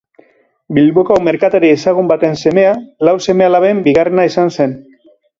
Bilboko merkatari ezagun baten semea, lau seme-alaben bigarrena izan zen.